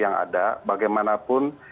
yang ada bagaimanapun